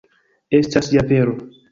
Estas ja vero.